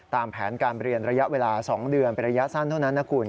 ตามแผนการเรียนระยะเวลา๒เดือนเป็นระยะสั้นเท่านั้นนะคุณ